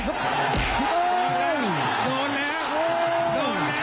โดนแล้ว